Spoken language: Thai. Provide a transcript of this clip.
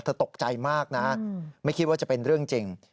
ตกใจมากนะไม่คิดว่าจะเป็นเรื่องจริง